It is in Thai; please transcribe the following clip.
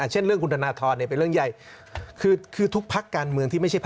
เช่นเรื่องคุณธนาทรเป็นเรื่องใหญ่